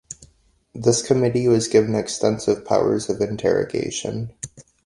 This committee was given extensive powers of interrogation.